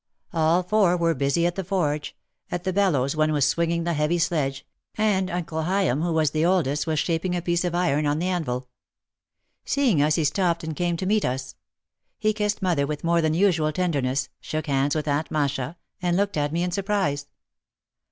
All four were busy at the forge, at the bellows one was swinging the heavy sledge and Uncle Hayim, who was the oldest, was shaping a piece of iron on the anvil. Seeing us he stopped and came to meet us. He kissed mother with more than usual tenderness, shook hands with Aunt Masha, and looked at me in surprise.